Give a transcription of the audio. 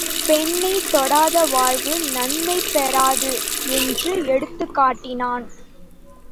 பெண்ணைத் தொடாத வாழ்வு நன்மை பெறாது என்று எடுத்துக்காட்டினான்.